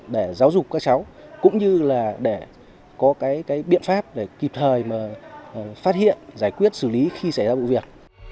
để giáo dục các cháu cũng như là để có cái biện pháp để kịp thời mà phát hiện giải quyết xử lý khi xảy ra vụ việc